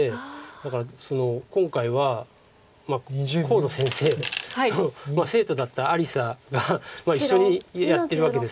だから今回は河野先生の生徒だった有紗が一緒にやってるわけです。